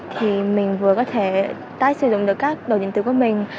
thì mình vừa có thể tái sử dụng được các đồ điện tử của mình